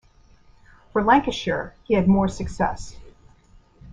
For Lancashire he had more success.